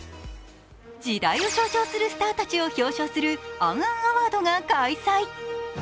時代を象徴するスターたちを表彰する「ａｎａｎＡＷＡＲＤ」が開催。